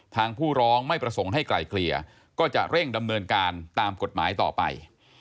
ผู้ร้องไม่ประสงค์ให้ไกลเกลี่ยก็จะเร่งดำเนินการตามกฎหมายต่อไป